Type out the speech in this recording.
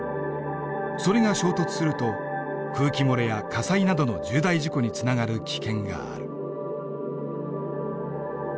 それが衝突すると空気漏れや火災などの重大事故につながる危険がある。